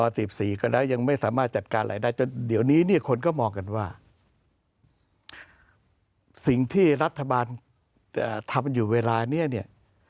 ตอนนี้คนก็มองกันว่าสิ่งที่รัฐบาลทำอยู่เวลานี้